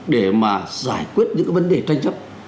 để mà giải quyết những cái vấn đề tranh chấp